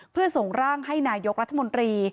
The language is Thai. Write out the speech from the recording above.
เพื่อส่งร่างให้นายกรัฐมนตรี